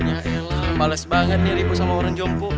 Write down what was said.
ayolah bales banget nih ribu sama orang jompo